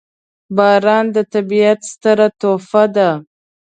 • باران د طبیعت ستره تحفه ده.